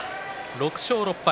６勝６敗。